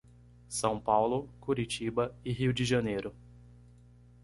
São Paulo, Curitiba e Rio de Janeiro.